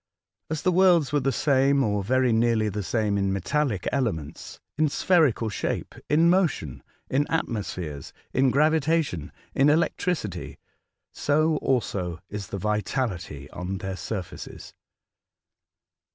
As the worlds were the same, or very nearly the same, in metallic elements, in spherical shape, in motion, in atmospheres, in Titan. 181 gravitation, in electricity — so also in the vitality on their surfaces.